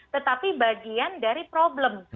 tetapi bagian dari problem